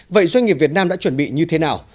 vậy doanh nghiệp việt nam đã chuẩn bị như thế nào